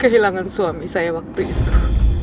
kehilangan suami saya waktu itu